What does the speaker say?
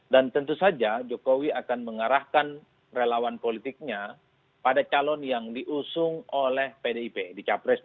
dan tentu saja jokowi akan mengarahkan relawan politiknya pada calon yang diusung oleh pdip di capres dua ribu dua puluh empat